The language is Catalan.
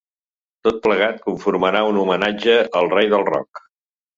Tot plegat conformarà un homenatge al ‘rei del rock’.